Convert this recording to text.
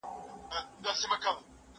کتاب وليکه؟!